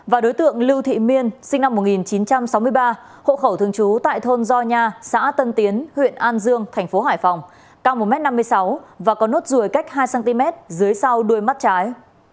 và đối tượng lưu thị miên sinh năm một nghìn chín trăm sáu mươi ba hộ khẩu thường trú tại thôn gio nha xã tân tiến huyện an dương thành phố hải phòng cao một m năm mươi sáu và có nốt ruồi cách hai cm dưới sau đuôi mắt trái